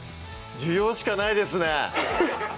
需要しかないですね